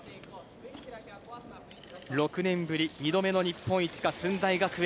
６年ぶり２度目の日本一か駿台学園。